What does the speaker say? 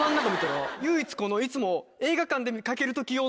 唯一このいつも。